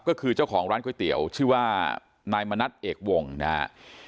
ก็คือเจ้าของร้านก๋วยเตี๋ยวชื่อว่านายมณัฐเอกวงนะฮะ